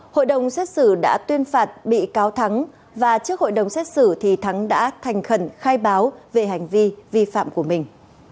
hội đồng xét xử đã tuyên phạt bị cáo thắng và trước hội đồng xét xử thì thắng đã thành khẩn khai báo về hành vi vi phạm của mình